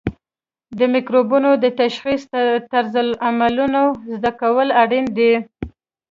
د مکروبونو د تشخیص طرزالعملونه زده کول اړین دي.